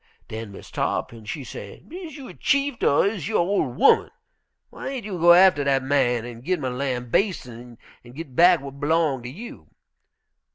"Den Mis' Tarr'pin she say, 'Is you a chieft, er is you a ol' ooman? Whyn't you go atter dat man an' gin him a lambastin' an' git back w'at b'long to you?'